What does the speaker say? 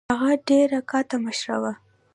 هغه ډیره قاطع مشره وه.